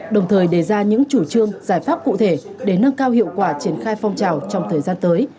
đồng thời đề ra những chủ trương giải pháp cụ thể để nâng cao hiệu quả triển khai phong trào trong thời gian tới